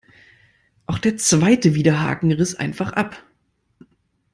Auch der zweite Widerhaken riss einfach ab.